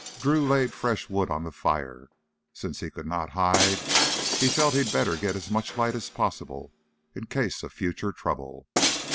Drew laid fresh wood on the fire. Since he could not hide, he felt he'd better get as much light as possible in case of future trouble.